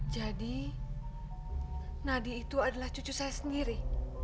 jadi nadi itu adalah cucu saya sendiri